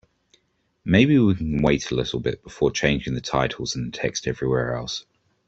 Maybe we can wait a little bit before changing the titles and the text everywhere else?